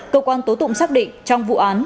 cơ quan tố tụng xác định trong vụ án